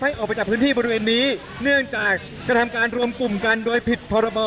ออกไปจากพื้นที่บริเวณนี้เนื่องจากกระทำการรวมกลุ่มกันโดยผิดพรบ